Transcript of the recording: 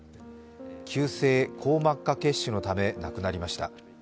急性硬膜下血腫のため亡くなりました。